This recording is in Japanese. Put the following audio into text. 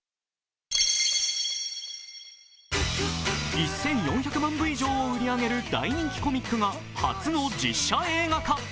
１４００万部以上を売り上げる大人気コミックが初の実写映画化。